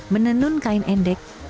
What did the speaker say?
menenun kain endek